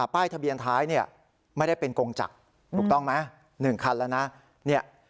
ป้ายทะเบียนท้ายเนี่ยไม่ได้เป็นกงจักรถูกต้องไหม๑คันแล้วนะ